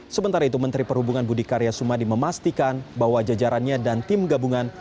sementara itu menteri perhubungan budi karya sumadi memastikan bahwa jajarannya dan tim gabungan